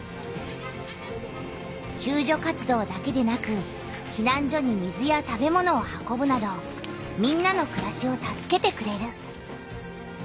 救助活動だけでなくひなん所に水や食べ物を運ぶなどみんなのくらしを助けてくれる。